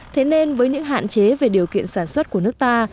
thế nên với những hạn chế về điều kiện sản xuất của nước ta